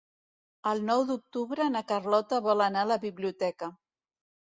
El nou d'octubre na Carlota vol anar a la biblioteca.